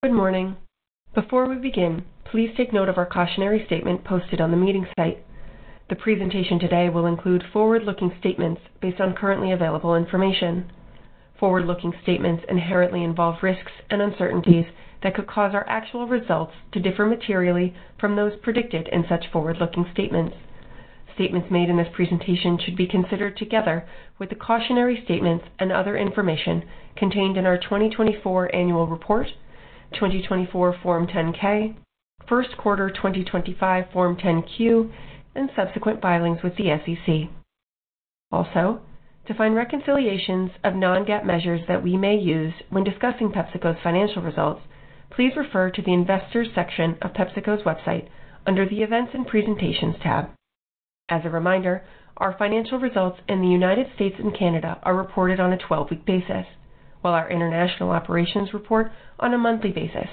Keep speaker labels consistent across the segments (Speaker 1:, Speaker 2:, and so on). Speaker 1: Good morning. Before we begin, please take note of our cautionary statement posted on the meeting site. The presentation today will include forward-looking statements based on currently available information. Forward-looking statements inherently involve risks and uncertainties that could cause our actual results to differ materially from those predicted in such forward-looking statements. Statements made in this presentation should be considered together with the cautionary statements and other information contained in our 2024 annual report, 2024 Form 10-K, first quarter 2025 Form 10-Q, and subsequent filings with the SEC. Also, to find reconciliations of non-GAAP measures that we may use when discussing PepsiCo's financial results, please refer to the Investors section of PepsiCo's website under the Events and Presentations tab. As a reminder, our financial results in the U.S. and Canada are reported on a 12-week basis, while our International Operations report on a monthly basis,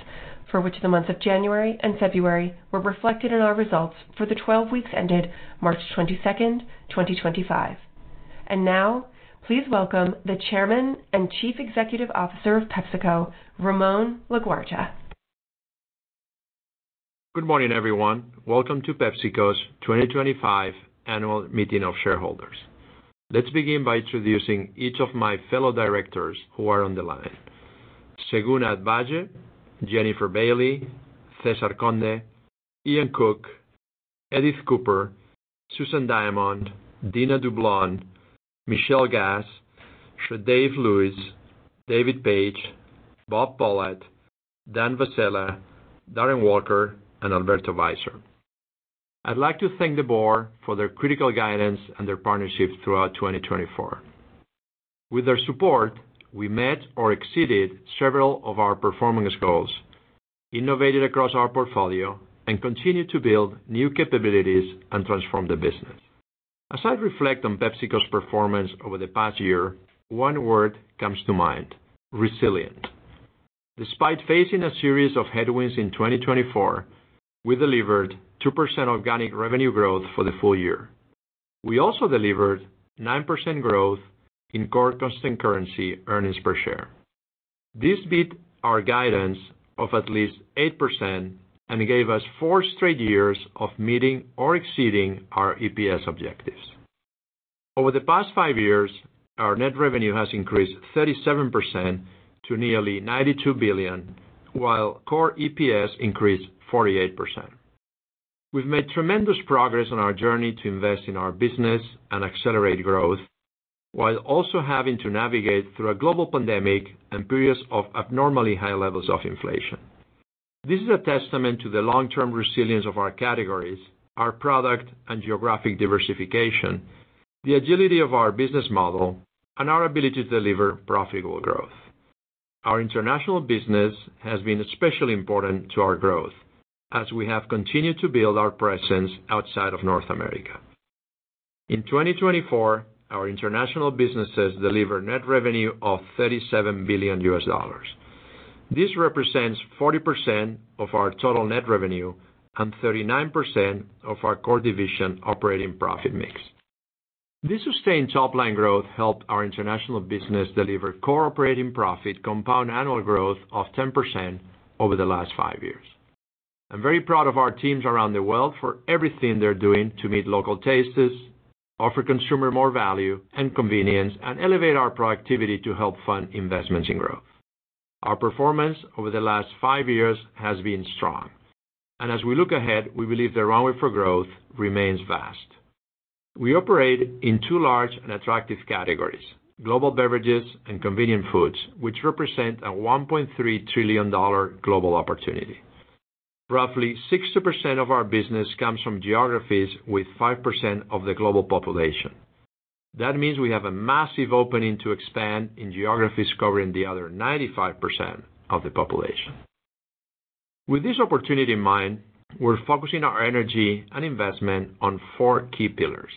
Speaker 1: for which the months of January and February were reflected in our results for the 12 weeks ended March 22, 2025. Please welcome the Chairman and Chief Executive Officer of PepsiCo, Ramon Laguarta.
Speaker 2: Good morning, everyone. Welcome to PepsiCo's 2025 Annual Meeting of Shareholders. Let's begin by introducing each of my fellow directors who are on the line: Seguna Adballe, Jennifer Bailey, César Conde, Ian Cook, Edith Cooper, Susan Diamond, Dina Dublon, Michelle Gass, Dave Lewis, David Page, Bob Pollat, Dan Vasela, Darren Walker, and Alberto Weiser. I'd like to thank the board for their critical guidance and their partnership throughout 2024. With their support, we met or exceeded several of our performance goals, innovated across our portfolio, and continued to build new capabilities and transform the business. As I reflect on PepsiCo's performance over the past year, one word comes to mind: resilient. Despite facing a series of headwinds in 2024, we delivered 2% organic revenue growth for the full year. We also delivered 9% growth in core constant currency earnings per share. This beat our guidance of at least 8% and gave us four straight years of meeting or exceeding our EPS objectives. Over the past five years, our net revenue has increased 37% to nearly $92 billion, while core EPS increased 48%. We've made tremendous progress on our journey to invest in our business and accelerate growth, while also having to navigate through a global pandemic and periods of abnormally high levels of inflation. This is a testament to the long-term resilience of our categories, our product and geographic diversification, the agility of our business model, and our ability to deliver profitable growth. Our international business has been especially important to our growth, as we have continued to build our presence outside of North America. In 2024, our international businesses delivered net revenue of $37 billion. This represents 40% of our total net revenue and 39% of our core division operating profit mix. This sustained top-line growth helped our international business deliver core operating profit compound annual growth of 10% over the last five years. I'm very proud of our teams around the world for everything they're doing to meet local tastes, offer consumers more value and convenience, and elevate our productivity to help fund investments in growth. Our performance over the last five years has been strong, and as we look ahead, we believe the runway for growth remains vast. We operate in two large and attractive categories: global beverages and convenient foods, which represent a $1.3 trillion global opportunity. Roughly 60% of our business comes from geographies with 5% of the global population. That means we have a massive opening to expand in geographies covering the other 95% of the population. With this opportunity in mind, we're focusing our energy and investment on four key pillars: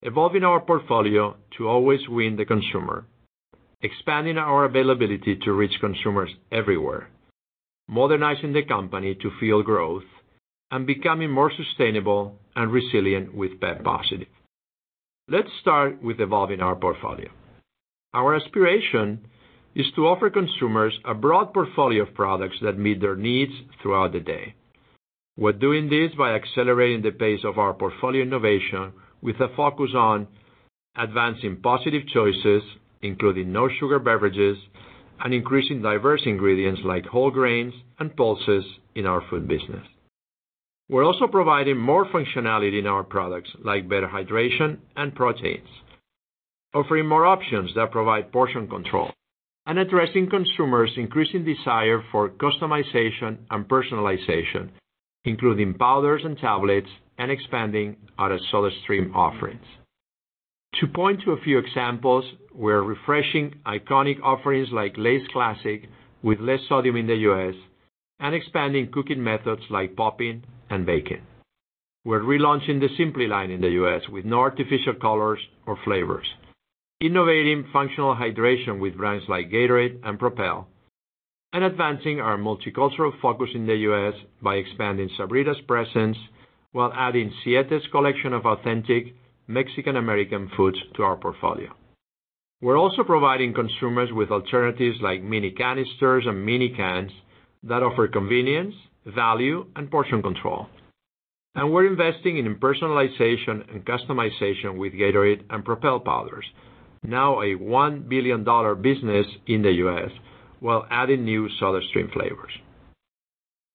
Speaker 2: evolving our portfolio to always win the consumer, expanding our availability to reach consumers everywhere, modernizing the company to fuel growth, and becoming more sustainable and resilient with PEP Positive. Let's start with evolving our portfolio. Our aspiration is to offer consumers a broad portfolio of products that meet their needs throughout the day. We're doing this by accelerating the pace of our portfolio innovation with a focus on advancing positive choices, including no-sugar beverages, and increasing diverse ingredients like whole grains and pulses in our food business. We're also providing more functionality in our products, like better hydration and proteins, offering more options that provide portion control, and addressing consumers' increasing desire for customization and personalization, including powders and tablets, and expanding our SodaStream offerings. To point to a few examples, we're refreshing iconic offerings like Lay's Classic with less sodium in the U.S. and expanding cooking methods like popping and baking. We're relaunching the Simply line in the U.S. with no artificial colors or flavors, innovating functional hydration with brands like Gatorade and Propel, and advancing our multicultural focus in the U.S. by expanding Sabrita's presence while adding Siete's collection of authentic Mexican-American foods to our portfolio. We're also providing consumers with alternatives like mini canisters and mini cans that offer convenience, value, and portion control. We're investing in personalization and customization with Gatorade and Propel powders, now a $1 billion business in the U.S., while adding new SodaStream flavors.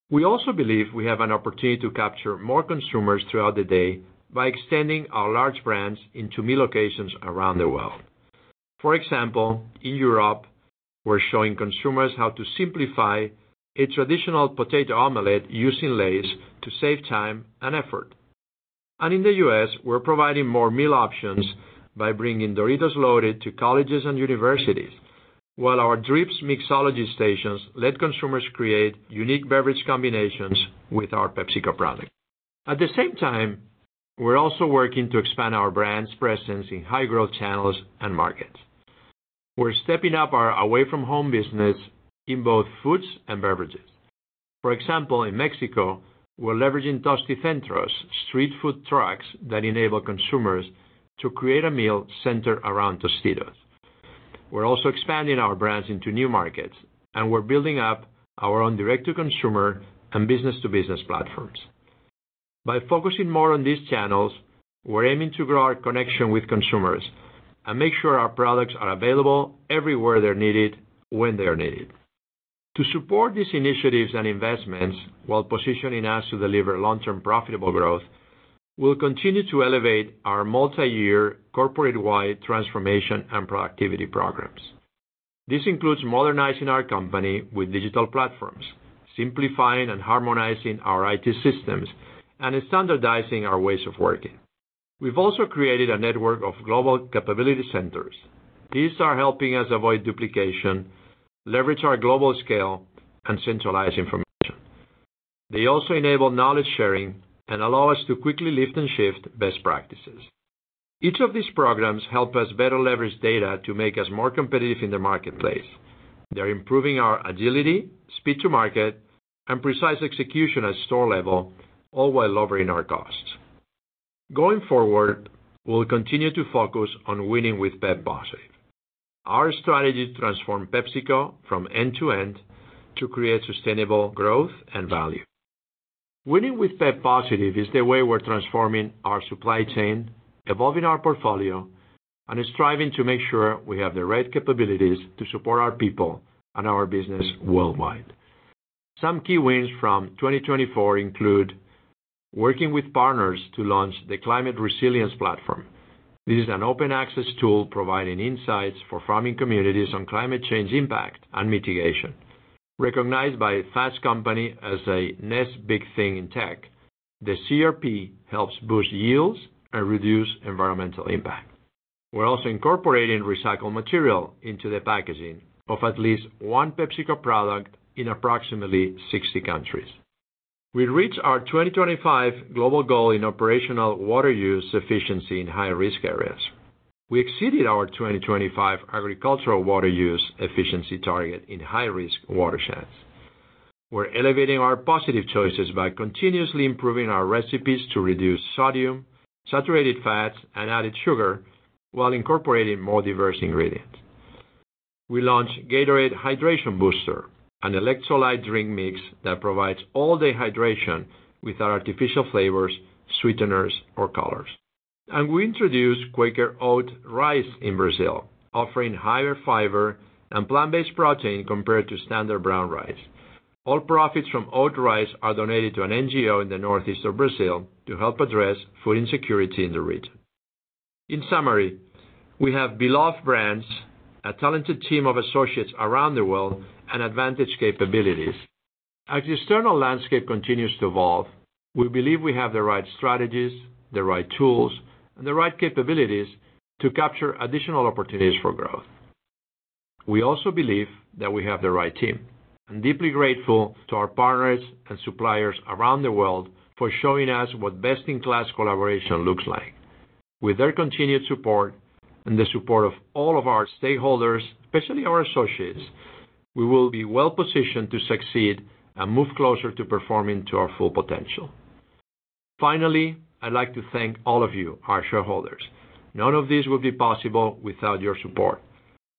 Speaker 2: We also believe we have an opportunity to capture more consumers throughout the day by extending our large brands into meal locations around the world. For example, in Europe, we're showing consumers how to simplify a traditional potato omelet using Lay's to save time and effort. In the U.S., we're providing more meal options by bringing Doritos loaded to colleges and universities, while our drip mixology stations let consumers create unique beverage combinations with our PepsiCo products. At the same time, we're also working to expand our brand's presence in high-growth channels and markets. We're stepping up our away-from-home business in both foods and beverages. For example, in Mexico, we're leveraging Tosticentros, street food trucks that enable consumers to create a meal centered around Tostitos. We're also expanding our brands into new markets, and we're building up our own direct-to-consumer and business-to-business platforms. By focusing more on these channels, we're aiming to grow our connection with consumers and make sure our products are available everywhere they're needed when they're needed. To support these initiatives and investments, while positioning us to deliver long-term profitable growth, we'll continue to elevate our multi-year, corporate-wide transformation and productivity programs. This includes modernizing our company with digital platforms, simplifying and harmonizing our IT systems, and standardizing our ways of working. We've also created a network of global capability centers. These are helping us avoid duplication, leverage our global scale, and centralize information. They also enable knowledge sharing and allow us to quickly lift and shift best practices. Each of these programs helps us better leverage data to make us more competitive in the marketplace. They're improving our agility, speed-to-market, and precise execution at store level, all while lowering our costs. Going forward, we'll continue to focus on winning with PEP Positive, our strategy to transform PepsiCo from end to end to create sustainable growth and value. Winning with PEP Positive is the way we're transforming our supply chain, evolving our portfolio, and striving to make sure we have the right capabilities to support our people and our business worldwide. Some key wins from 2024 include working with partners to launch the Climate Resilience Platform. This is an open-access tool providing insights for farming communities on climate change impact and mitigation. Recognized by Fast Company as a "next big thing in tech," the CRP helps boost yields and reduce environmental impact. We're also incorporating recycled material into the packaging of at least one PepsiCo product in approximately 60 countries. We reached our 2025 global goal in operational water use efficiency in high-risk areas. We exceeded our 2025 agricultural water use efficiency target in high-risk watersheds. We're elevating our positive choices by continuously improving our recipes to reduce sodium, saturated fats, and added sugar, while incorporating more diverse ingredients. We launched Gatorade Hydration Booster, an electrolyte drink mix that provides all-day hydration without artificial flavors, sweeteners, or colors. We introduced Quaker Oat Rice in Brazil, offering higher fiber and plant-based protein compared to standard brown rice. All profits from oat rice are donated to an NGO in the northeast of Brazil to help address food insecurity in the region. In summary, we have beloved brands, a talented team of associates around the world, and advanced capabilities. As the external landscape continues to evolve, we believe we have the right strategies, the right tools, and the right capabilities to capture additional opportunities for growth. We also believe that we have the right team, and are deeply grateful to our partners and suppliers around the world for showing us what best-in-class collaboration looks like. With their continued support and the support of all of our stakeholders, especially our associates, we will be well-positioned to succeed and move closer to performing to our full potential. Finally, I'd like to thank all of you, our shareholders. None of this would be possible without your support.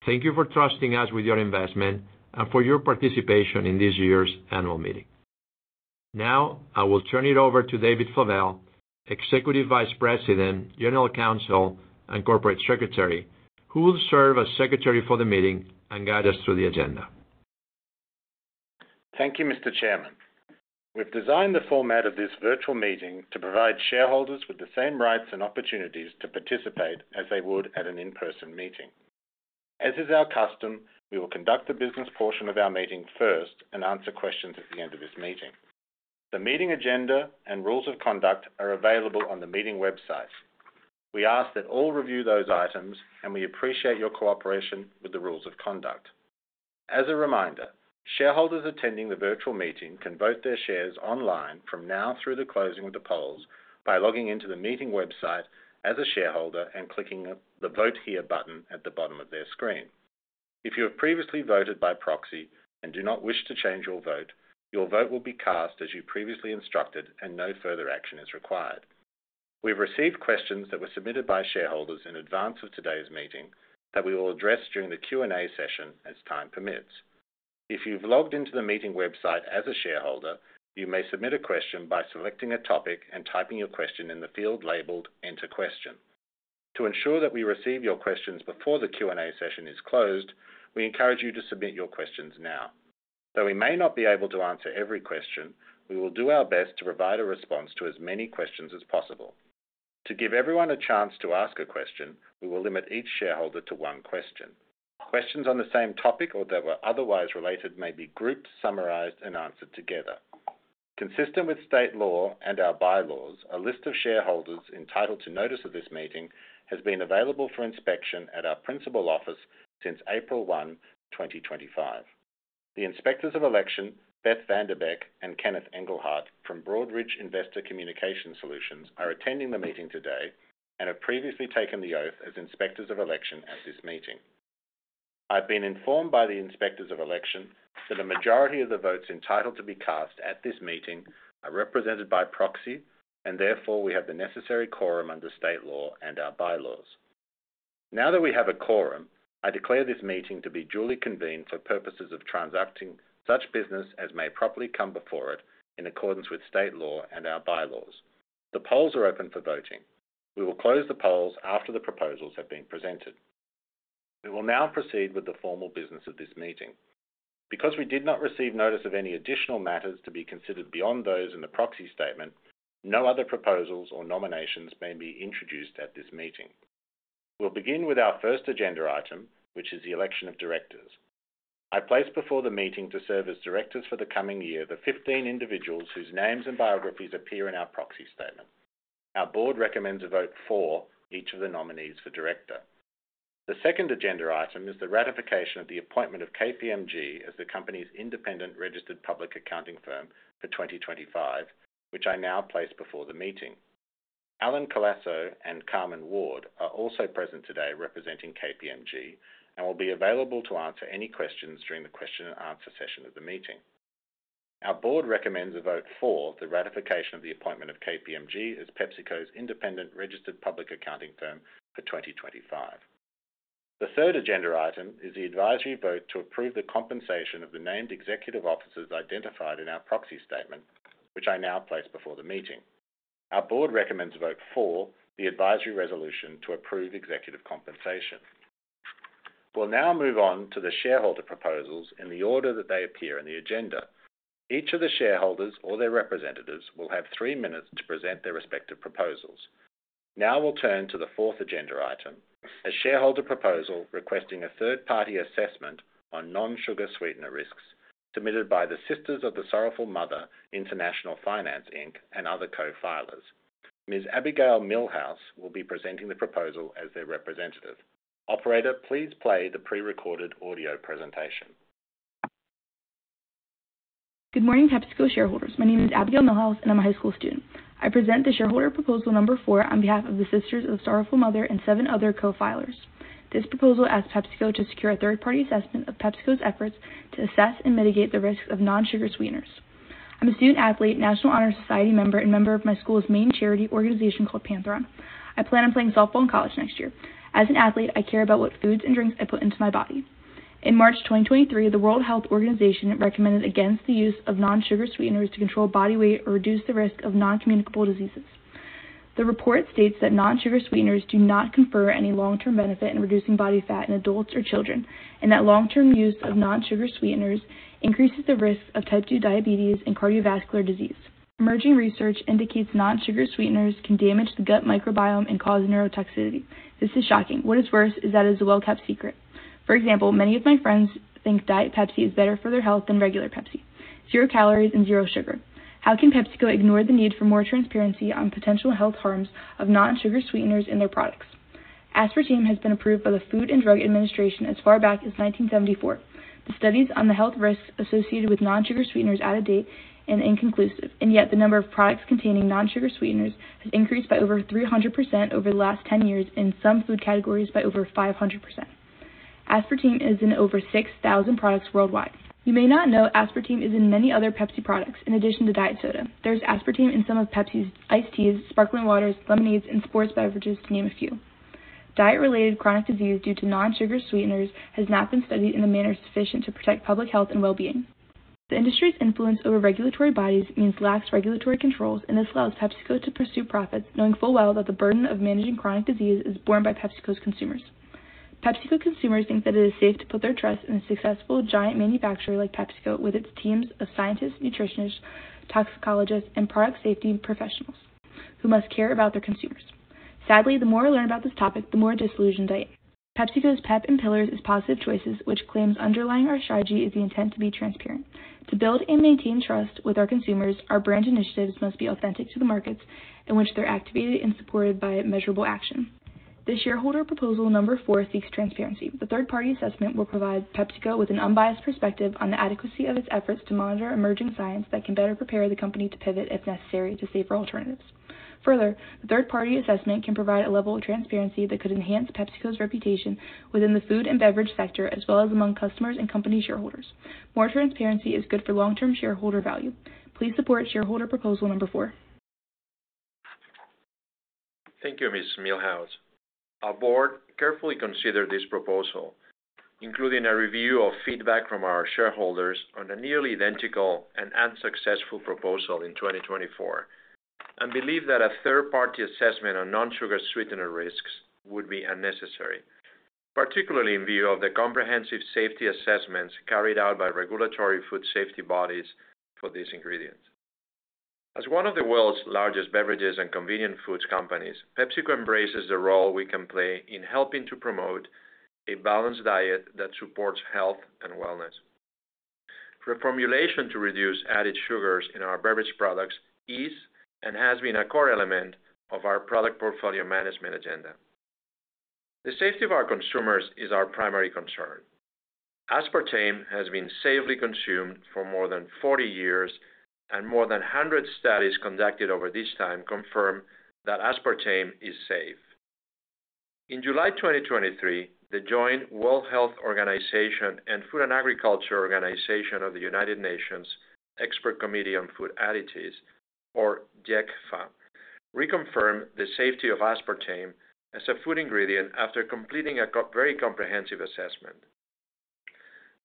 Speaker 2: Thank you for trusting us with your investment and for your participation in this year's annual meeting. Now, I will turn it over to David Flavell, Executive Vice President, General Counsel, and Corporate Secretary, who will serve as Secretary for the meeting and guide us through the agenda.
Speaker 3: Thank you, Mr. Chairman. We've designed the format of this virtual meeting to provide shareholders with the same rights and opportunities to participate as they would at an in-person meeting. As is our custom, we will conduct the business portion of our meeting first and answer questions at the end of this meeting. The meeting agenda and rules of conduct are available on the meeting website. We ask that all review those items, and we appreciate your cooperation with the rules of conduct. As a reminder, shareholders attending the virtual meeting can vote their shares online from now through the closing of the polls by logging into the meeting website as a shareholder and clicking the "Vote Here" button at the bottom of their screen. If you have previously voted by proxy and do not wish to change your vote, your vote will be cast as you previously instructed, and no further action is required. We have received questions that were submitted by shareholders in advance of today's meeting that we will address during the Q&A session as time permits. If you have logged into the meeting website as a shareholder, you may submit a question by selecting a topic and typing your question in the field labeled "Enter Question." To ensure that we receive your questions before the Q&A session is closed, we encourage you to submit your questions now. Though we may not be able to answer every question, we will do our best to provide a response to as many questions as possible. To give everyone a chance to ask a question, we will limit each shareholder to one question. Questions on the same topic or that were otherwise related may be grouped, summarized, and answered together. Consistent with state law and our bylaws, a list of shareholders entitled to notice of this meeting has been available for inspection at our principal office since April 1, 2025. The Inspectors of Election, Beth Vanderbeck and Kenneth Engelhart from Broadridge Investor Communication Solutions, are attending the meeting today and have previously taken the oath as Inspectors of Election at this meeting. I've been informed by the Inspectors of Election that a majority of the votes entitled to be cast at this meeting are represented by proxy, and therefore we have the necessary quorum under state law and our bylaws. Now that we have a quorum, I declare this meeting to be duly convened for purposes of transacting such business as may properly come before it in accordance with state law and our bylaws. The polls are open for voting. We will close the polls after the proposals have been presented. We will now proceed with the formal business of this meeting. Because we did not receive notice of any additional matters to be considered beyond those in the proxy statement, no other proposals or nominations may be introduced at this meeting. We'll begin with our first agenda item, which is the election of directors. I've placed before the meeting to serve as directors for the coming year the 15 individuals whose names and biographies appear in our proxy statement. Our board recommends a vote for each of the nominees for director. The second agenda item is the ratification of the appointment of KPMG as the company's independent registered public accounting firm for 2025, which I now place before the meeting. Alan Colasso and Carmen Ward are also present today representing KPMG and will be available to answer any questions during the question-and-answer session of the meeting. Our board recommends a vote for the ratification of the appointment of KPMG as PepsiCo's independent registered public accounting firm for 2025. The third agenda item is the advisory vote to approve the compensation of the named executive officers identified in our proxy statement, which I now place before the meeting. Our board recommends a vote for the advisory resolution to approve executive compensation. We'll now move on to the shareholder proposals in the order that they appear in the agenda. Each of the shareholders or their representatives will have three minutes to present their respective proposals. Now we will turn to the fourth agenda item, a shareholder proposal requesting a third-party assessment on non-sugar sweetener risks submitted by the Sisters of the Sorrowful Mother International Finance Inc. and other co-filers. Ms. Abigail Milhouse will be presenting the proposal as their representative. Operator, please play the pre-recorded audio presentation.
Speaker 4: Good morning, PepsiCo shareholders. My name is Abigail Milhouse, and I'm a high school student. I present the shareholder proposal number four on behalf of the Sisters of the Sorrowful Mother and seven other co-filers. This proposal asks PepsiCo to secure a third-party assessment of PepsiCo's efforts to assess and mitigate the risks of non-sugar sweeteners. I'm a student-athlete, National Honor Society member, and member of my school's main charity organization called Pantheon. I plan on playing softball in college next year. As an athlete, I care about what foods and drinks I put into my body. In March 2023, the World Health Organization recommended against the use of non-sugar sweeteners to control body weight or reduce the risk of non-communicable diseases. The report states that non-sugar sweeteners do not confer any long-term benefit in reducing body fat in adults or children, and that long-term use of non-sugar sweeteners increases the risk of type 2 diabetes and cardiovascular disease. Emerging research indicates non-sugar sweeteners can damage the gut microbiome and cause neurotoxicity. This is shocking. What is worse is that it is a well-kept secret. For example, many of my friends think Diet Pepsi is better for their health than regular Pepsi. Zero calories and zero sugar. How can PepsiCo ignore the need for more transparency on potential health harms of non-sugar sweeteners in their products? Aspartame has been approved by the Food and Drug Administration as far back as 1974. The studies on the health risks associated with non-sugar sweeteners are out of date and inconclusive, and yet the number of products containing non-sugar sweeteners has increased by over 300% over the last 10 years and some food categories by over 500%. Aspartame is in over 6,000 products worldwide. You may not know aspartame is in many other Pepsi products, in addition to diet soda. There's aspartame in some of Pepsi's iced teas, sparkling waters, lemonades, and sports beverages, to name a few. Diet-related chronic disease due to non-sugar sweeteners has not been studied in a manner sufficient to protect public health and well-being. The industry's influence over regulatory bodies means lax regulatory controls, and this allows PepsiCo to pursue profits, knowing full well that the burden of managing chronic disease is borne by PepsiCo's consumers. PepsiCo consumers think that it is safe to put their trust in a successful giant manufacturer like PepsiCo with its teams of scientists, nutritionists, toxicologists, and product safety professionals who must care about their consumers. Sadly, the more I learn about this topic, the more disillusioned I am. PepsiCo's Pep and Pillars is Positive Choices, which claims underlying our strategy is the intent to be transparent. To build and maintain trust with our consumers, our brand initiatives must be authentic to the markets in which they're activated and supported by measurable action. The shareholder proposal number four seeks transparency. The third-party assessment will provide PepsiCo with an unbiased perspective on the adequacy of its efforts to monitor emerging science that can better prepare the company to pivot, if necessary, to safer alternatives. Further, the third-party assessment can provide a level of transparency that could enhance PepsiCo's reputation within the food and beverage sector as well as among customers and company shareholders. More transparency is good for long-term shareholder value. Please support shareholder proposal number four.
Speaker 2: Thank you, Ms. Milhouse. Our board carefully considered this proposal, including a review of feedback from our shareholders on a nearly identical and unsuccessful proposal in 2024, and believed that a third-party assessment on non-sugar sweetener risks would be unnecessary, particularly in view of the comprehensive safety assessments carried out by regulatory food safety bodies for these ingredients. As one of the world's largest beverages and convenient foods companies, PepsiCo embraces the role we can play in helping to promote a balanced diet that supports health and wellness. Reformulation to reduce added sugars in our beverage products is and has been a core element of our product portfolio management agenda. The safety of our consumers is our primary concern. Aspartame has been safely consumed for more than 40 years, and more than 100 studies conducted over this time confirm that aspartame is safe. In July 2023, the Joint FAO/WHO Expert Committee on Food Additives, or JECFA, reconfirmed the safety of aspartame as a food ingredient after completing a very comprehensive assessment.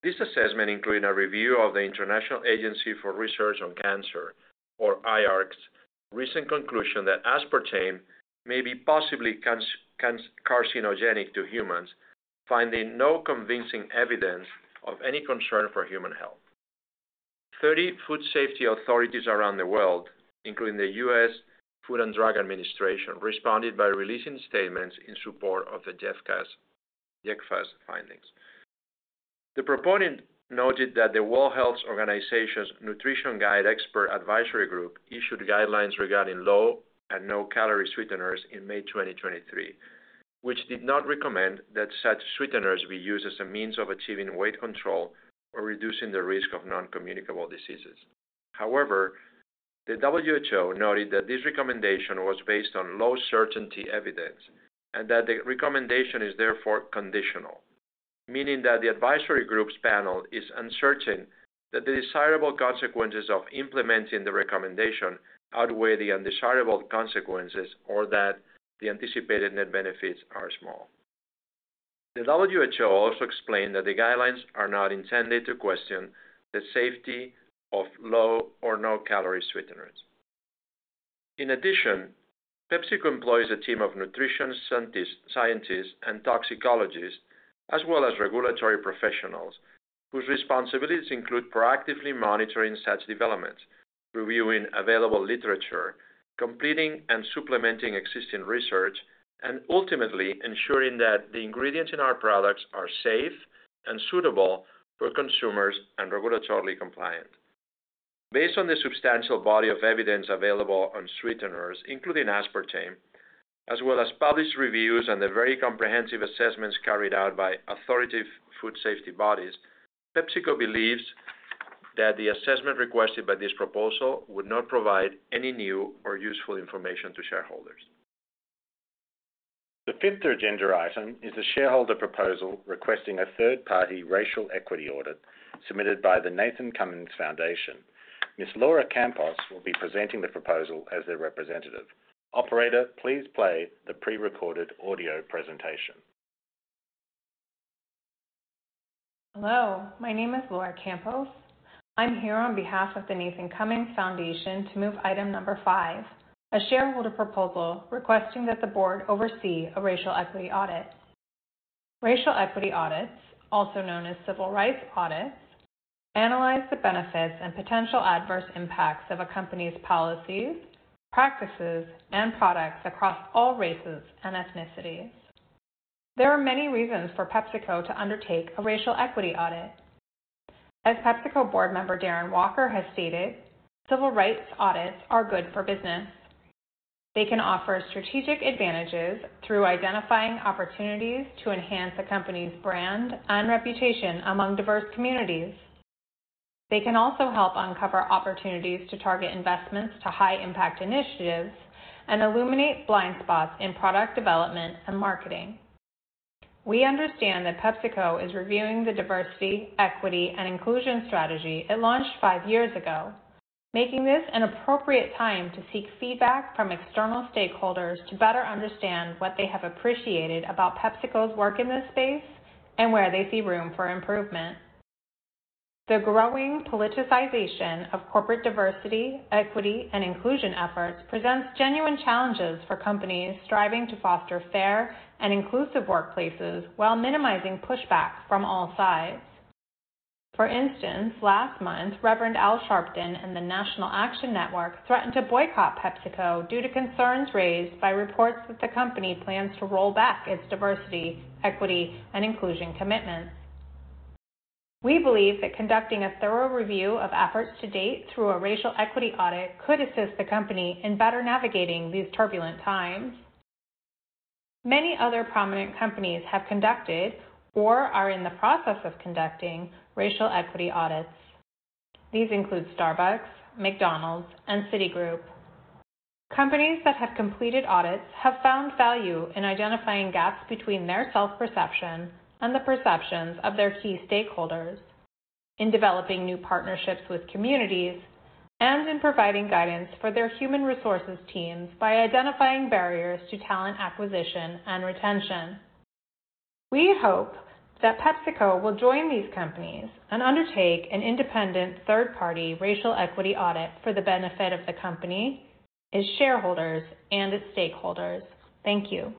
Speaker 2: This assessment, including a review of the International Agency for Research on Cancer, or IARC's, recent conclusion that aspartame may be possibly carcinogenic to humans, finding no convincing evidence of any concern for human health. 30 food safety authorities around the world, including the U.S. Food and Drug Administration, responded by releasing statements in support of the JECFA's findings. The proponent noted that the World Health Organization's Nutrition Guide Expert Advisory Group issued guidelines regarding low and no-calorie sweeteners in May 2023, which did not recommend that such sweeteners be used as a means of achieving weight control or reducing the risk of non-communicable diseases. However, the WHO noted that this recommendation was based on low certainty evidence and that the recommendation is therefore conditional, meaning that the advisory group's panel is uncertain that the desirable consequences of implementing the recommendation outweigh the undesirable consequences or that the anticipated net benefits are small. The WHO also explained that the guidelines are not intended to question the safety of low or no-calorie sweeteners. In addition, PepsiCo employs a team of nutrition scientists and toxicologists, as well as regulatory professionals, whose responsibilities include proactively monitoring such developments, reviewing available literature, completing and supplementing existing research, and ultimately ensuring that the ingredients in our products are safe and suitable for consumers and regulatory compliant. Based on the substantial body of evidence available on sweeteners, including aspartame, as well as published reviews and the very comprehensive assessments carried out by authoritative food safety bodies, PepsiCo believes that the assessment requested by this proposal would not provide any new or useful information to shareholders.
Speaker 3: The fifth agenda item is the shareholder proposal requesting a third-party racial equity audit submitted by the Nathan Cummins Foundation. Ms. Laura Campos will be presenting the proposal as their representative. Operator, please play the pre-recorded audio presentation.
Speaker 5: Hello. My name is Laura Campos. I'm here on behalf of the Nathan Cummins Foundation to move item number five, a shareholder proposal requesting that the board oversee a racial equity audit. Racial equity audits, also known as civil rights audits, analyze the benefits and potential adverse impacts of a company's policies, practices, and products across all races and ethnicities. There are many reasons for PepsiCo to undertake a racial equity audit. As PepsiCo board member Darren Walker has stated, "Civil rights audits are good for business. They can offer strategic advantages through identifying opportunities to enhance a company's brand and reputation among diverse communities. They can also help uncover opportunities to target investments to high-impact initiatives and illuminate blind spots in product development and marketing. We understand that PepsiCo is reviewing the diversity, equity, and inclusion strategy it launched five years ago, making this an appropriate time to seek feedback from external stakeholders to better understand what they have appreciated about PepsiCo's work in this space and where they see room for improvement. The growing politicization of corporate diversity, equity, and inclusion efforts presents genuine challenges for companies striving to foster fair and inclusive workplaces while minimizing pushback from all sides. For instance, last month, Reverend Al Sharpton and the National Action Network threatened to boycott PepsiCo due to concerns raised by reports that the company plans to roll back its diversity, equity, and inclusion commitments. We believe that conducting a thorough review of efforts to date through a racial equity audit could assist the company in better navigating these turbulent times. Many other prominent companies have conducted or are in the process of conducting racial equity audits. These include Starbucks, McDonald's, and Citigroup. Companies that have completed audits have found value in identifying gaps between their self-perception and the perceptions of their key stakeholders, in developing new partnerships with communities, and in providing guidance for their human resources teams by identifying barriers to talent acquisition and retention. We hope that PepsiCo will join these companies and undertake an independent third-party racial equity audit for the benefit of the company, its shareholders, and its stakeholders. Thank you.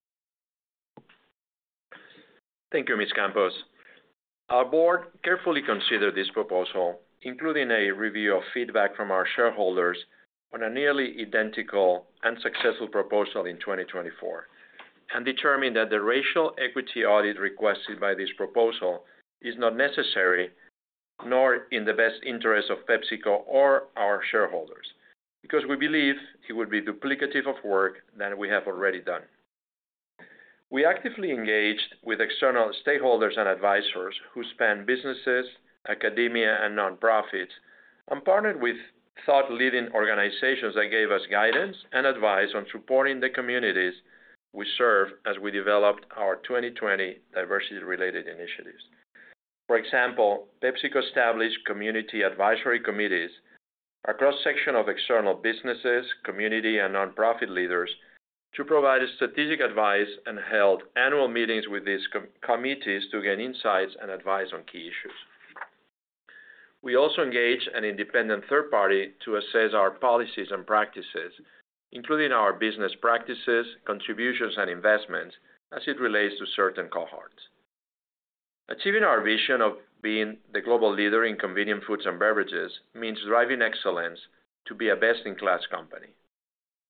Speaker 2: Thank you, Ms. Campos. Our board carefully considered this proposal, including a review of feedback from our shareholders on a nearly identical and successful proposal in 2024, and determined that the racial equity audit requested by this proposal is not necessary, nor in the best interest of PepsiCo or our shareholders, because we believe it would be duplicative of work that we have already done. We actively engaged with external stakeholders and advisors who span businesses, academia, and nonprofits, and partnered with thought-leading organizations that gave us guidance and advice on supporting the communities we serve as we developed our 2020 diversity-related initiatives. For example, PepsiCo established community advisory committees across a section of external businesses, community, and nonprofit leaders to provide strategic advice and held annual meetings with these committees to gain insights and advice on key issues. We also engaged an independent third party to assess our policies and practices, including our business practices, contributions, and investments as it relates to certain cohorts. Achieving our vision of being the global leader in convenient foods and beverages means driving excellence to be a best-in-class company.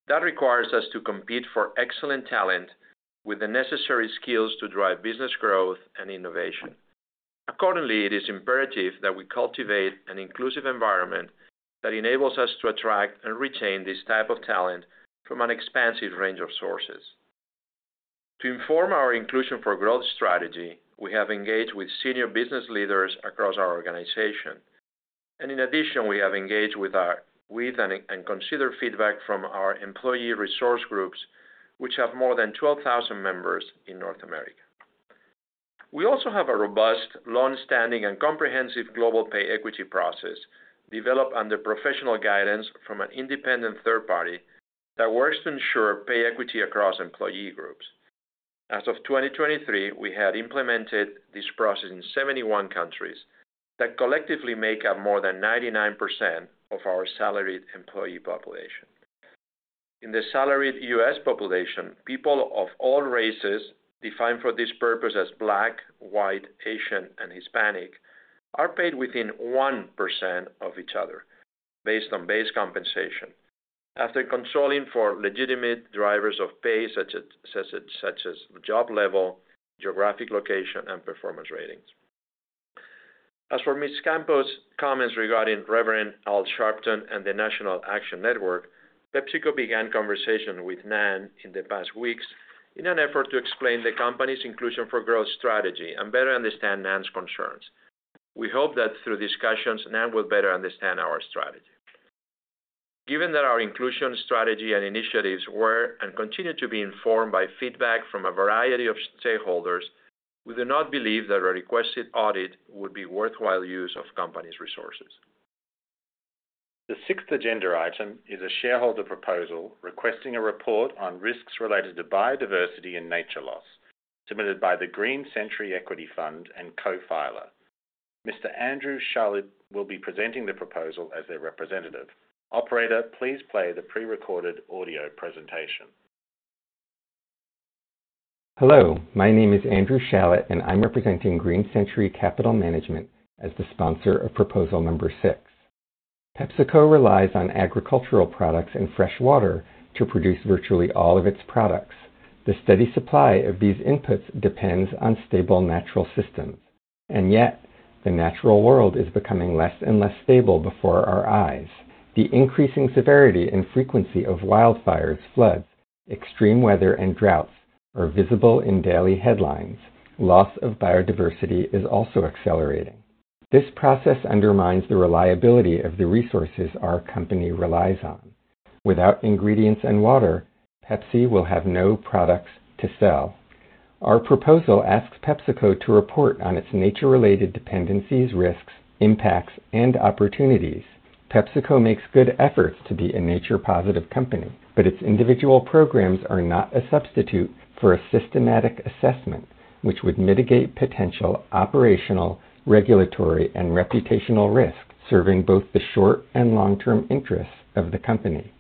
Speaker 2: That requires us to compete for excellent talent with the necessary skills to drive business growth and innovation. Accordingly, it is imperative that we cultivate an inclusive environment that enables us to attract and retain this type of talent from an expansive range of sources. To inform our inclusion for growth strategy, we have engaged with senior business leaders across our organization, and in addition, we have engaged with and considered feedback from our employee resource groups, which have more than 12,000 members in North America. We also have a robust, long-standing, and comprehensive global pay equity process developed under professional guidance from an independent third party that works to ensure pay equity across employee groups. As of 2023, we had implemented this process in 71 countries that collectively make up more than 99% of our salaried employee population. In the salaried U.S. population, people of all races, defined for this purpose as Black, White, Asian, and Hispanic, are paid within 1% of each other based on base compensation, after controlling for legitimate drivers of pay such as job level, geographic location, and performance ratings. As for Ms. Campos' comments regarding Reverend Al Sharpton and the National Action Network, PepsiCo began conversation with NAN in the past weeks in an effort to explain the company's inclusion for growth strategy and better understand NAN's concerns. We hope that through discussions, NAN will better understand our strategy. Given that our inclusion strategy and initiatives were and continue to be informed by feedback from a variety of stakeholders, we do not believe that a requested audit would be a worthwhile use of company's resources.
Speaker 3: The sixth agenda item is a shareholder proposal requesting a report on risks related to biodiversity and nature loss submitted by the Green Century Equity Fund and Co-Filer. Mr. Andrew Shalit will be presenting the proposal as their representative. Operator, please play the pre-recorded audio presentation.
Speaker 6: Hello. My name is Andrew Shalit, and I'm representing Green Century Capital Management as the sponsor of proposal number six. PepsiCo relies on agricultural products and fresh water to produce virtually all of its products. The steady supply of these inputs depends on stable natural systems, and yet the natural world is becoming less and less stable before our eyes. The increasing severity and frequency of wildfires, floods, extreme weather, and droughts are visible in daily headlines. Loss of biodiversity is also accelerating. This process undermines the reliability of the resources our company relies on. Without ingredients and water, Pepsi will have no products to sell. Our proposal asks PepsiCo to report on its nature-related dependencies, risks, impacts, and opportunities. PepsiCo makes good efforts to be a nature-positive company, but its individual programs are not a substitute for a systematic assessment, which would mitigate potential operational, regulatory, and reputational risks serving both the short and long-term interests of the company.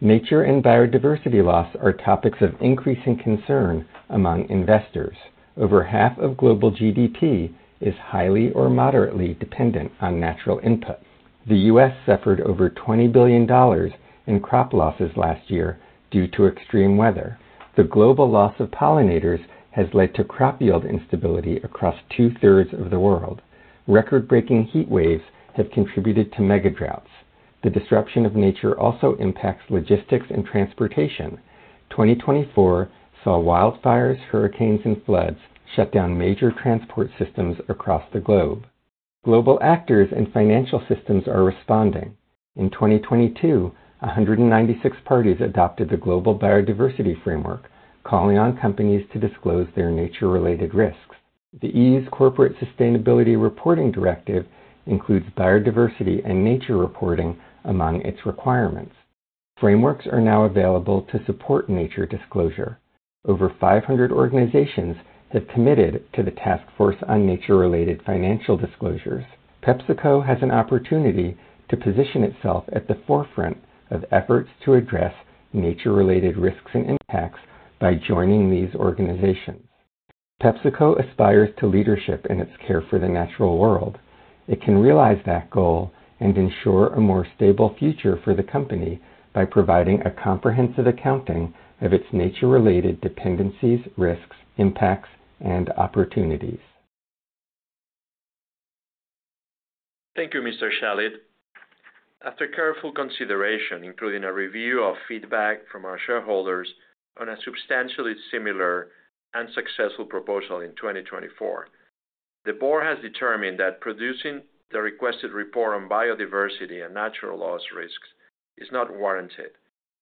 Speaker 6: Nature and biodiversity loss are topics of increasing concern among investors. Over half of global GDP is highly or moderately dependent on natural input. The U.S. suffered over $20 billion in crop losses last year due to extreme weather. The global loss of pollinators has led to crop yield instability across two-thirds of the world. Record-breaking heat waves have contributed to mega droughts. The disruption of nature also impacts logistics and transportation. 2024 saw wildfires, hurricanes, and floods shut down major transport systems across the globe. Global actors and financial systems are responding. In 2022, 196 parties adopted the Global Biodiversity Framework, calling on companies to disclose their nature-related risks. The EU's Corporate Sustainability Reporting Directive includes biodiversity and nature reporting among its requirements. Frameworks are now available to support nature disclosure. Over 500 organizations have committed to the Task Force on Nature-Related Financial Disclosures. PepsiCo has an opportunity to position itself at the forefront of efforts to address nature-related risks and impacts by joining these organizations. PepsiCo aspires to leadership in its care for the natural world. It can realize that goal and ensure a more stable future for the company by providing a comprehensive accounting of its nature-related dependencies, risks, impacts, and opportunities.
Speaker 2: Thank you, Mr. Shalit. After careful consideration, including a review of feedback from our shareholders on a substantially similar and successful proposal in 2024, the board has determined that producing the requested report on biodiversity and natural loss risks is not warranted,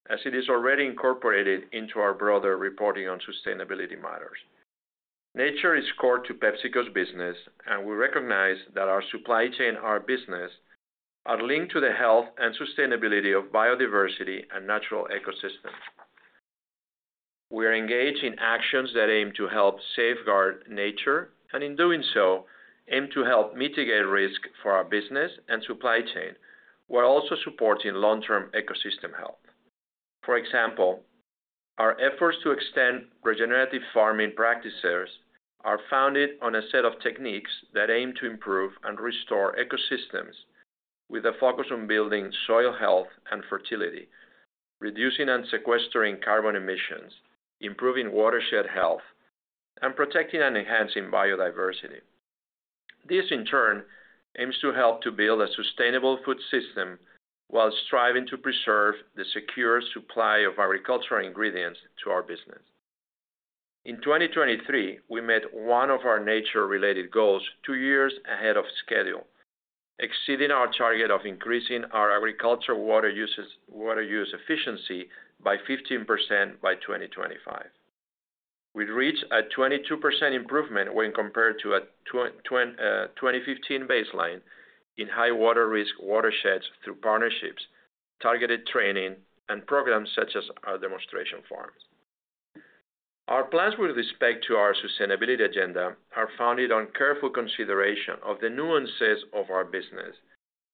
Speaker 2: as it is already incorporated into our broader reporting on sustainability matters. Nature is core to PepsiCo's business, and we recognize that our supply chain and our business are linked to the health and sustainability of biodiversity and natural ecosystems. We are engaged in actions that aim to help safeguard nature and, in doing so, aim to help mitigate risks for our business and supply chain while also supporting long-term ecosystem health. For example, our efforts to extend regenerative farming practices are founded on a set of techniques that aim to improve and restore ecosystems with a focus on building soil health and fertility, reducing and sequestering carbon emissions, improving watershed health, and protecting and enhancing biodiversity. This, in turn, aims to help to build a sustainable food system while striving to preserve the secure supply of agricultural ingredients to our business. In 2023, we met one of our nature-related goals two years ahead of schedule, exceeding our target of increasing our agricultural water use efficiency by 15% by 2025. We reached a 22% improvement when compared to a 2015 baseline in high-water risk watersheds through partnerships, targeted training, and programs such as our demonstration farms. Our plans with respect to our sustainability agenda are founded on careful consideration of the nuances of our business,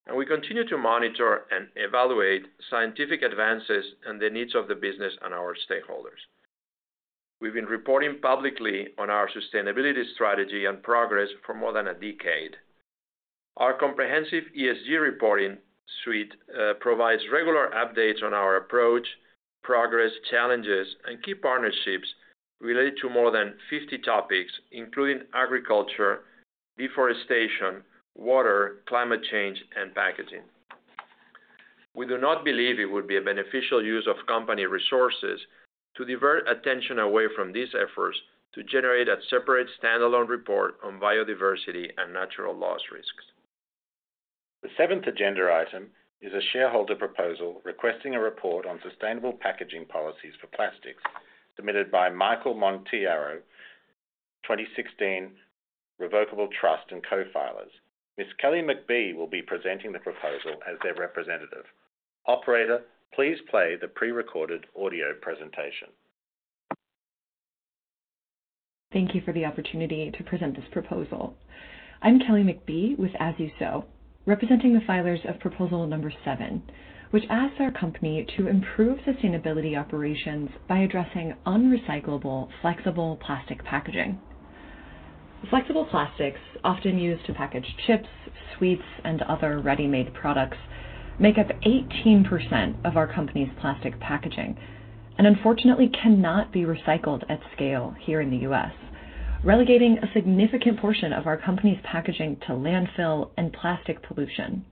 Speaker 2: and we continue to monitor and evaluate scientific advances and the needs of the business and our stakeholders. We've been reporting publicly on our sustainability strategy and progress for more than a decade. Our comprehensive ESG reporting suite provides regular updates on our approach, progress, challenges, and key partnerships related to more than 50 topics, including agriculture, deforestation, water, climate change, and packaging. We do not believe it would be a beneficial use of company resources to divert attention away from these efforts to generate a separate standalone report on biodiversity and natural loss risks.
Speaker 3: The seventh agenda item is a shareholder proposal requesting a report on sustainable packaging policies for plastics submitted by Michael Montiaro, 2016 Revocable Trust and Co-Filers. Ms. Kelly McBee will be presenting the proposal as their representative. Operator, please play the pre-recorded audio presentation.
Speaker 7: Thank you for the opportunity to present this proposal. I'm Kelly McBee with As You Sow, representing the filers of proposal number seven, which asks our company to improve sustainability operations by addressing unrecyclable, flexible plastic packaging. Flexible plastics, often used to package chips, sweets, and other ready-made products, make up 18% of our company's plastic packaging and, unfortunately, cannot be recycled at scale here in the U.S., relegating a significant portion of our company's packaging to landfill and plastic pollution.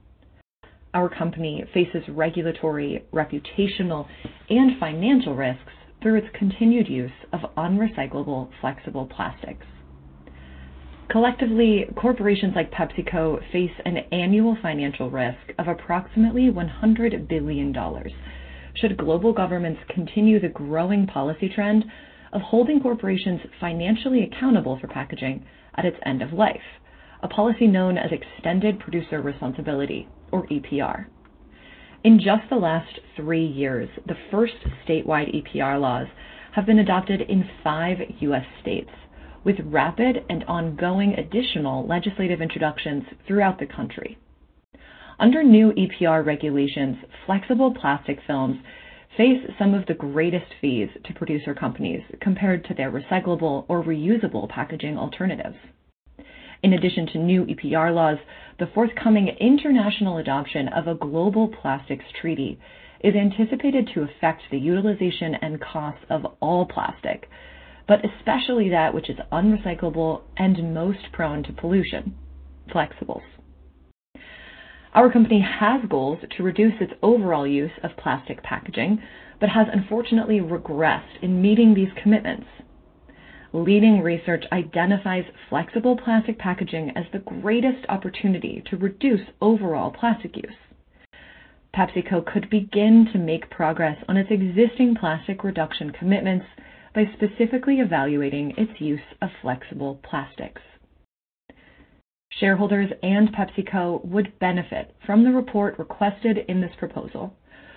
Speaker 7: Our company faces regulatory, reputational, and financial risks through its continued use of unrecyclable, flexible plastics. Collectively, corporations like PepsiCo face an annual financial risk of approximately $100 billion should global governments continue the growing policy trend of holding corporations financially accountable for packaging at its end of life, a policy known as extended producer responsibility, or EPR. In just the last three years, the first statewide EPR laws have been adopted in five U.S. states, with rapid and ongoing additional legislative introductions throughout the country. Under new EPR regulations, flexible plastic films face some of the greatest fees to producer companies compared to their recyclable or reusable packaging alternatives. In addition to new EPR laws, the forthcoming international adoption of a global plastics treaty is anticipated to affect the utilization and costs of all plastic, but especially that which is unrecyclable and most prone to pollution, flexibles. Our company has goals to reduce its overall use of plastic packaging but has unfortunately regressed in meeting these commitments. Leading research identifies flexible plastic packaging as the greatest opportunity to reduce overall plastic use. PepsiCo could begin to make progress on its existing plastic reduction commitments by specifically evaluating its use of flexible plastics. Shareholders and PepsiCo would benefit from the report requested in this proposal,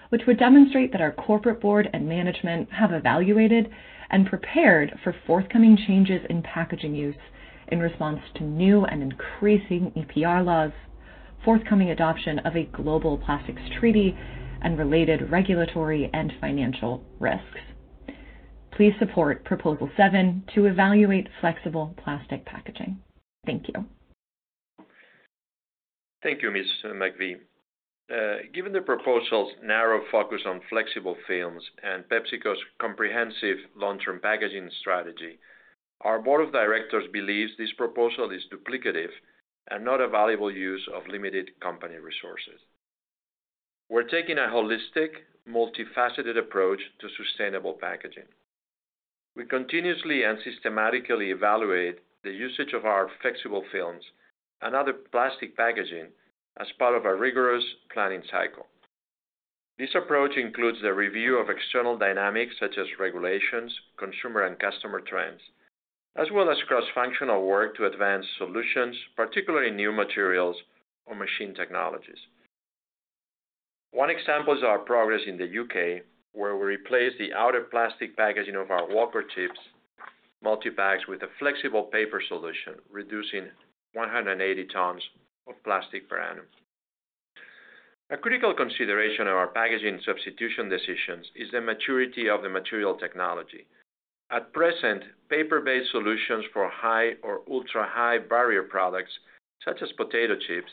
Speaker 7: which would demonstrate that our corporate board and management have evaluated and prepared for forthcoming changes in packaging use in response to new and increasing EPR laws, forthcoming adoption of a global plastics treaty, and related regulatory and financial risks. Please support proposal seven to evaluate flexible plastic packaging. Thank you.
Speaker 2: Thank you, Ms. McBee. Given the proposal's narrow focus on flexible films and PepsiCo's comprehensive long-term packaging strategy, our board of directors believes this proposal is duplicative and not a valuable use of limited company resources. We're taking a holistic, multifaceted approach to sustainable packaging. We continuously and systematically evaluate the usage of our flexible films and other plastic packaging as part of a rigorous planning cycle. This approach includes the review of external dynamics such as regulations, consumer and customer trends, as well as cross-functional work to advance solutions, particularly new materials or machine technologies. One example is our progress in the U.K., where we replaced the outer plastic packaging of our Walker Chips multi-packs with a flexible paper solution, reducing 180 tons of plastic per annum. A critical consideration of our packaging substitution decisions is the maturity of the material technology. At present, paper-based solutions for high or ultra-high barrier products such as potato chips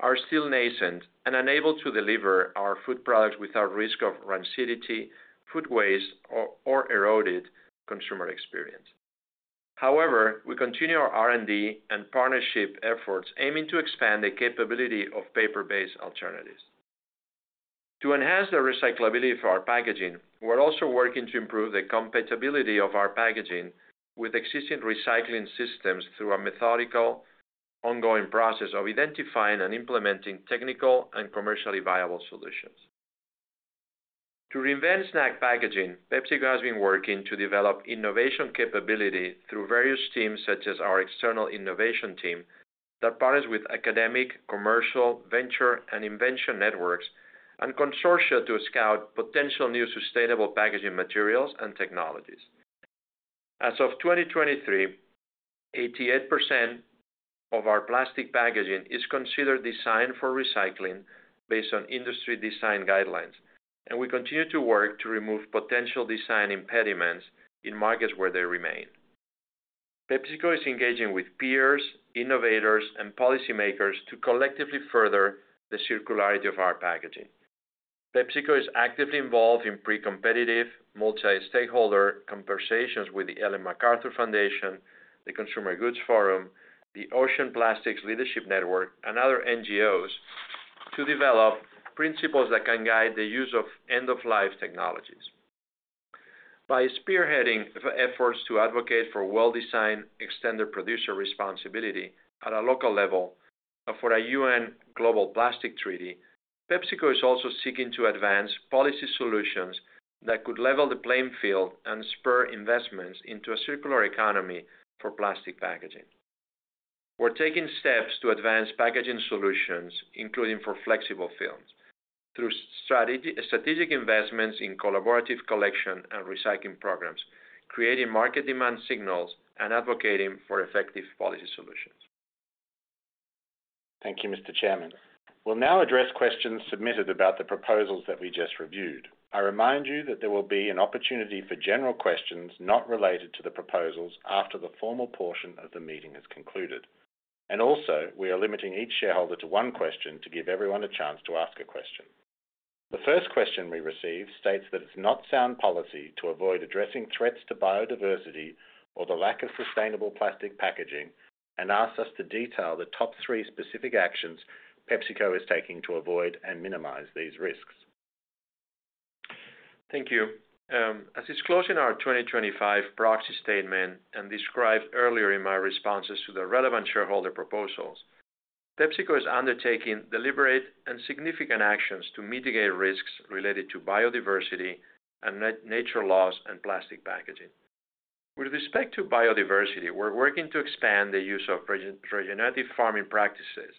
Speaker 2: are still nascent and unable to deliver our food products without risk of rancidity, food waste, or eroded consumer experience. However, we continue our R&D and partnership efforts aiming to expand the capability of paper-based alternatives. To enhance the recyclability for our packaging, we're also working to improve the compatibility of our packaging with existing recycling systems through a methodical, ongoing process of identifying and implementing technical and commercially viable solutions. To reinvent snack packaging, PepsiCo has been working to develop innovation capability through various teams such as our external innovation team that partners with academic, commercial, venture, and invention networks and consortia to scout potential new sustainable packaging materials and technologies. As of 2023, 88% of our plastic packaging is considered designed for recycling based on industry design guidelines, and we continue to work to remove potential design impediments in markets where they remain. PepsiCo is engaging with peers, innovators, and policymakers to collectively further the circularity of our packaging. PepsiCo is actively involved in pre-competitive multi-stakeholder conversations with the Ellen MacArthur Foundation, the Consumer Goods Forum, the Ocean Plastics Leadership Network, and other NGOs to develop principles that can guide the use of end-of-life technologies. By spearheading efforts to advocate for well-designed extended producer responsibility at a local level for a U.N. Global Plastic Treaty, PepsiCo is also seeking to advance policy solutions that could level the playing field and spur investments into a circular economy for plastic packaging. We're taking steps to advance packaging solutions, including for flexible films, through strategic investments in collaborative collection and recycling programs, creating market demand signals, and advocating for effective policy solutions.
Speaker 3: Thank you, Mr. Chairman. We will now address questions submitted about the proposals that we just reviewed. I remind you that there will be an opportunity for general questions not related to the proposals after the formal portion of the meeting has concluded. Also, we are limiting each shareholder to one question to give everyone a chance to ask a question. The first question we received states that it is not sound policy to avoid addressing threats to biodiversity or the lack of sustainable plastic packaging and asks us to detail the top three specific actions PepsiCo is taking to avoid and minimize these risks.
Speaker 2: Thank you. As is closing our 2025 proxy statement and described earlier in my responses to the relevant shareholder proposals, PepsiCo is undertaking deliberate and significant actions to mitigate risks related to biodiversity and nature loss and plastic packaging. With respect to biodiversity, we're working to expand the use of regenerative farming practices,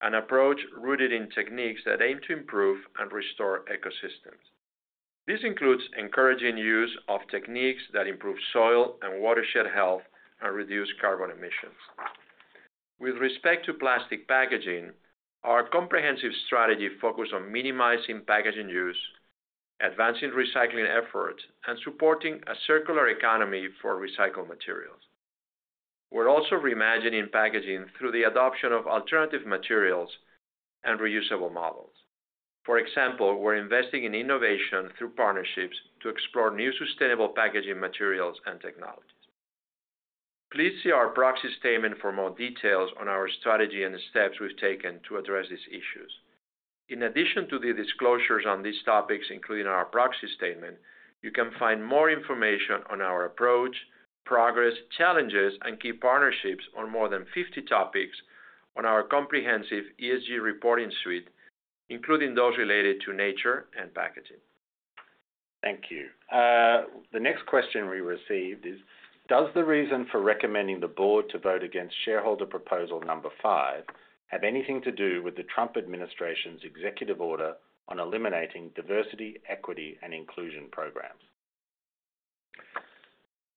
Speaker 2: an approach rooted in techniques that aim to improve and restore ecosystems. This includes encouraging use of techniques that improve soil and watershed health and reduce carbon emissions. With respect to plastic packaging, our comprehensive strategy focuses on minimizing packaging use, advancing recycling efforts, and supporting a circular economy for recycled materials. We're also reimagining packaging through the adoption of alternative materials and reusable models. For example, we're investing in innovation through partnerships to explore new sustainable packaging materials and technologies. Please see our proxy statement for more details on our strategy and the steps we've taken to address these issues. In addition to the disclosures on these topics, including our proxy statement, you can find more information on our approach, progress, challenges, and key partnerships on more than 50 topics on our comprehensive ESG reporting suite, including those related to nature and packaging.
Speaker 3: Thank you. The next question we received is, does the reason for recommending the board to vote against shareholder proposal number five have anything to do with the Trump administration's executive order on eliminating diversity, equity, and inclusion programs?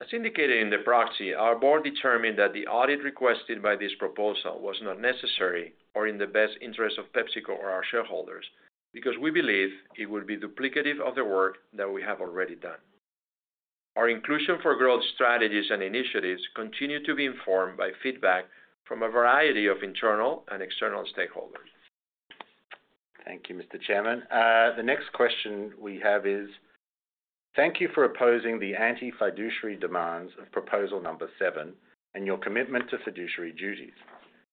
Speaker 2: As indicated in the proxy, our board determined that the audit requested by this proposal was not necessary or in the best interest of PepsiCo or our shareholders because we believe it would be duplicative of the work that we have already done. Our inclusion for growth strategies and initiatives continue to be informed by feedback from a variety of internal and external stakeholders.
Speaker 3: Thank you, Mr. Chairman. The next question we have is, thank you for opposing the anti-fiduciary demands of proposal number seven and your commitment to fiduciary duties.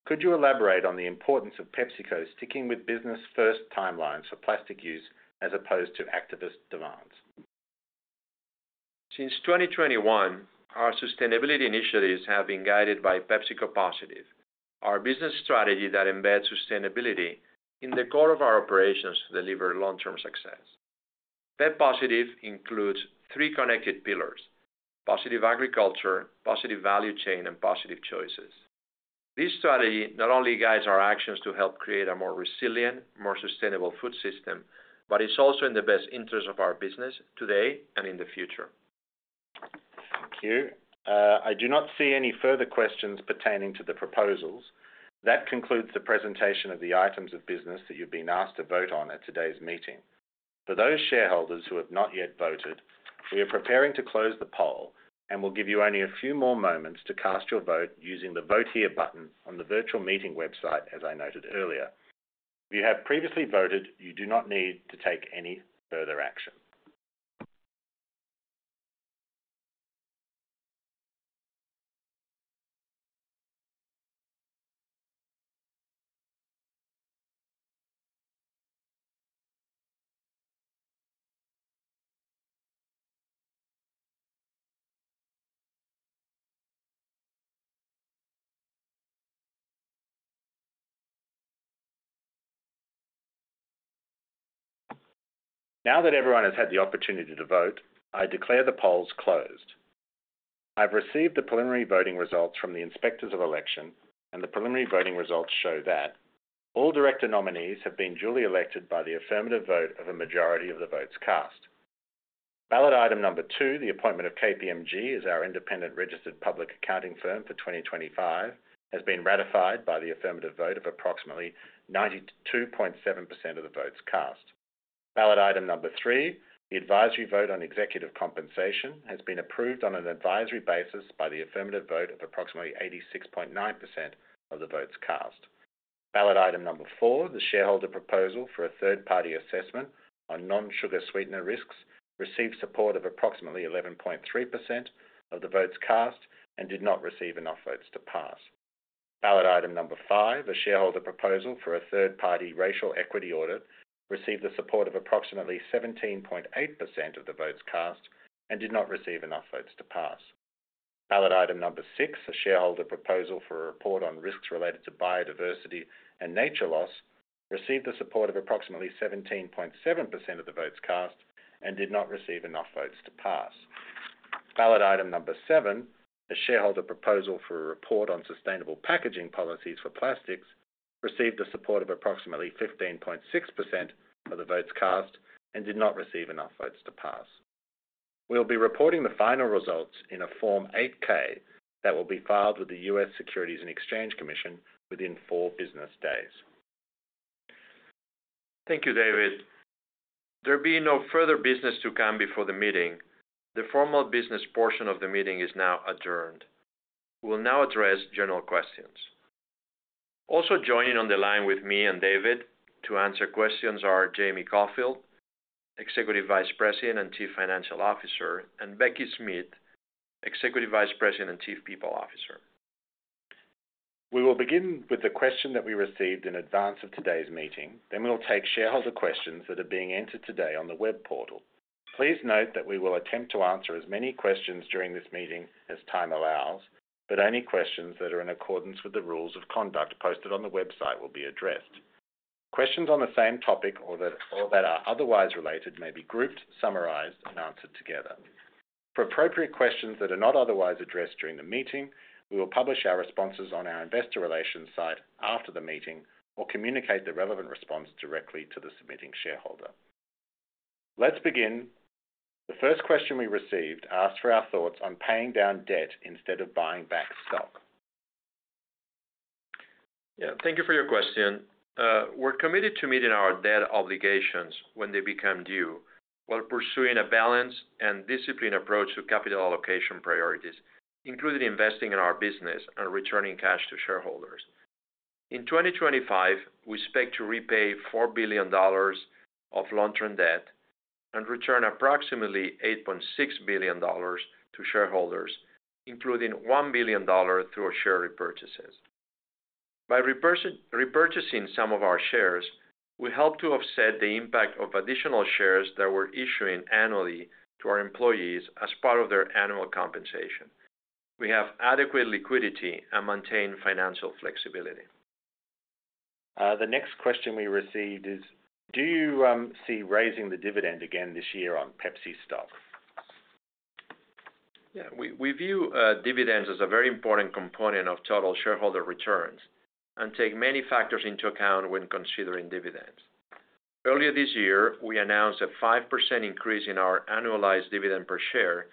Speaker 3: Could you elaborate on the importance of PepsiCo sticking with business-first timelines for plastic use as opposed to activist demands?
Speaker 2: Since 2021, our sustainability initiatives have been guided by PEP Positive, our business strategy that embeds sustainability in the core of our operations to deliver long-term success. PEP Positive includes three connected pillars: Positive Agriculture, Positive Value Chain, and Positive Choices. This strategy not only guides our actions to help create a more resilient, more sustainable food system, but it's also in the best interest of our business today and in the future.
Speaker 3: Thank you. I do not see any further questions pertaining to the proposals. That concludes the presentation of the items of business that you've been asked to vote on at today's meeting. For those shareholders who have not yet voted, we are preparing to close the poll and will give you only a few more moments to cast your vote using the Vote Here button on the virtual meeting website, as I noted earlier. If you have previously voted, you do not need to take any further action. Now that everyone has had the opportunity to vote, I declare the polls closed. I've received the preliminary voting results from the inspectors of election, and the preliminary voting results show that all director nominees have been duly elected by the affirmative vote of a majority of the votes cast. Ballot item number two, the appointment of KPMG, our independent registered public accounting firm for 2025, has been ratified by the affirmative vote of approximately 92.7% of the votes cast. Ballot item number three, the advisory vote on executive compensation has been approved on an advisory basis by the affirmative vote of approximately 86.9% of the votes cast. Ballot item number four, the shareholder proposal for a third-party assessment on non-sugar sweetener risks received support of approximately 11.3% of the votes cast and did not receive enough votes to pass. Ballot item number five, a shareholder proposal for a third-party racial equity audit received the support of approximately 17.8% of the votes cast and did not receive enough votes to pass. Ballot item number six, a shareholder proposal for a report on risks related to biodiversity and nature loss received the support of approximately 17.7% of the votes cast and did not receive enough votes to pass. Ballot item number seven, a shareholder proposal for a report on sustainable packaging policies for plastics received the support of approximately 15.6% of the votes cast and did not receive enough votes to pass. We will be reporting the final results in a Form 8K that will be filed with the U.S. Securities and Exchange Commission within four business days.
Speaker 2: Thank you, David. There being no further business to come before the meeting, the formal business portion of the meeting is now adjourned. We'll now address general questions. Also joining on the line with me and David to answer questions are Jamie Caulfield, Executive Vice President and Chief Financial Officer, and Becky Smith, Executive Vice President and Chief People Officer.
Speaker 3: We will begin with the question that we received in advance of today's meeting. Then we'll take shareholder questions that are being entered today on the web portal. Please note that we will attempt to answer as many questions during this meeting as time allows, but only questions that are in accordance with the rules of conduct posted on the website will be addressed. Questions on the same topic or that are otherwise related may be grouped, summarized, and answered together. For appropriate questions that are not otherwise addressed during the meeting, we will publish our responses on our investor relations site after the meeting or communicate the relevant response directly to the submitting shareholder. Let's begin. The first question we received asked for our thoughts on paying down debt instead of buying back stock.
Speaker 2: Yeah, thank you for your question. We're committed to meeting our debt obligations when they become due while pursuing a balanced and disciplined approach to capital allocation priorities, including investing in our business and returning cash to shareholders. In 2025, we expect to repay $4 billion of long-term debt and return approximately $8.6 billion to shareholders, including $1 billion through share repurchases. By repurchasing some of our shares, we help to offset the impact of additional shares that we're issuing annually to our employees as part of their annual compensation. We have adequate liquidity and maintain financial flexibility.
Speaker 3: The next question we received is, do you see raising the dividend again this year on Pepsi stock?
Speaker 2: Yeah, we view dividends as a very important component of total shareholder returns and take many factors into account when considering dividends. Earlier this year, we announced a 5% increase in our annualized dividend per share,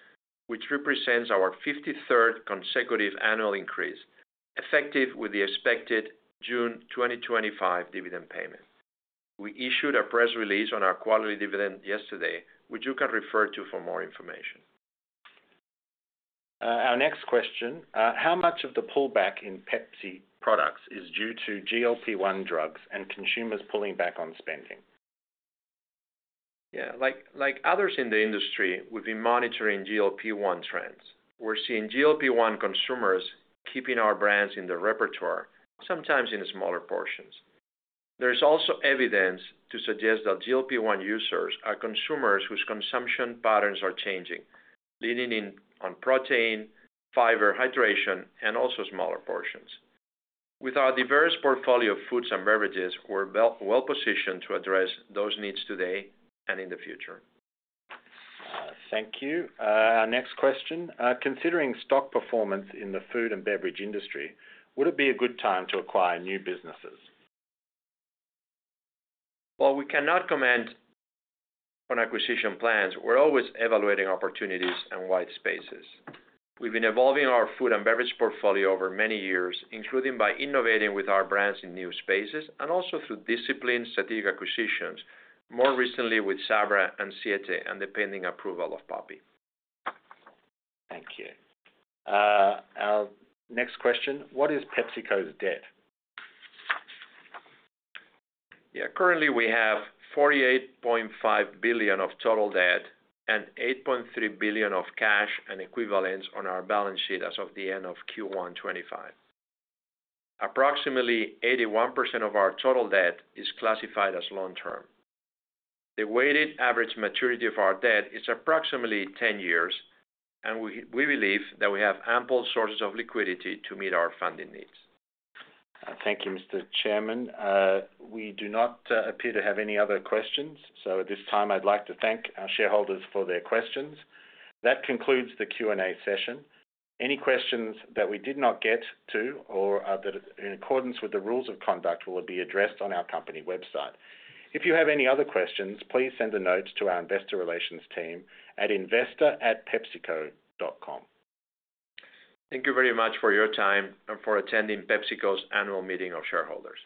Speaker 2: which represents our 53rd consecutive annual increase, effective with the expected June 2025 dividend payment. We issued a press release on our quarterly dividend yesterday, which you can refer to for more information.
Speaker 3: Our next question, how much of the pullback in Pepsi products is due to GLP-1 drugs and consumers pulling back on spending?
Speaker 2: Yeah, like others in the industry, we've been monitoring GLP-1 trends. We're seeing GLP-1 consumers keeping our brands in the repertoire, sometimes in smaller portions. There is also evidence to suggest that GLP-1 users are consumers whose consumption patterns are changing, leaning in on protein, fiber, hydration, and also smaller portions. With our diverse portfolio of foods and beverages, we're well positioned to address those needs today and in the future.
Speaker 3: Thank you. Our next question, considering stock performance in the food and beverage industry, would it be a good time to acquire new businesses?
Speaker 2: While we cannot comment on acquisition plans, we're always evaluating opportunities and white spaces. We've been evolving our food and beverage portfolio over many years, including by innovating with our brands in new spaces and also through disciplined strategic acquisitions, more recently with Sabrita and Siete, and the pending approval of Poppi.
Speaker 3: Thank you. Next question, what is PepsiCo's debt?
Speaker 2: Yeah, currently we have $48.5 billion of total debt and $8.3 billion of cash and equivalents on our balance sheet as of the end of Q1 2025. Approximately 81% of our total debt is classified as long-term. The weighted average maturity of our debt is approximately 10 years, and we believe that we have ample sources of liquidity to meet our funding needs.
Speaker 3: Thank you, Mr. Chairman. We do not appear to have any other questions, so at this time, I'd like to thank our shareholders for their questions. That concludes the Q&A session. Any questions that we did not get to or that are in accordance with the rules of conduct will be addressed on our company website. If you have any other questions, please send a note to our investor relations team at investor@pepsico.com.
Speaker 2: Thank you very much for your time and for attending PepsiCo's annual meeting of shareholders.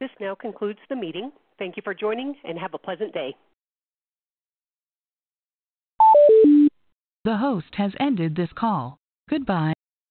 Speaker 1: This now concludes the meeting. Thank you for joining and have a pleasant day. The host has ended this call. Goodbye.